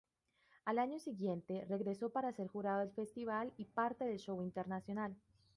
Al año siguiente, regresó para ser jurado del festival y parte del show internacional.